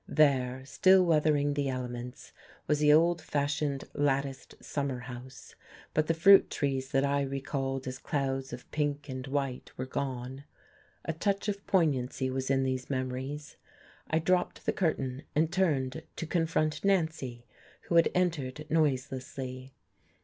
There, still weathering the elements, was the old fashioned latticed summer house, but the fruit trees that I recalled as clouds of pink and white were gone.... A touch of poignancy was in these memories. I dropped the curtain, and turned to confront Nancy, who had entered noiselessly.